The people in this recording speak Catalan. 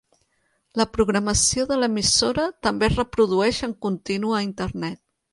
La programació de l'emissora també es reprodueix en continu a Internet.